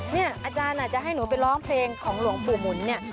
เนี่ยอาจารย์อาจจะให้หนูไปร้องเพลงของหลวงปู่หมุนเนี่ย